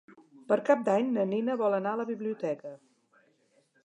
Per Cap d'Any na Nina vol anar a la biblioteca.